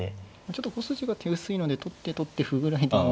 ちょっと５筋が手薄いので取って取って歩ぐらいでも。